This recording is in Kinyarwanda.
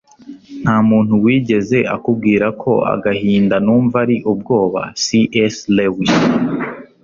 nta muntu wigeze ambwira ko agahinda numva ari ubwoba - c s lewis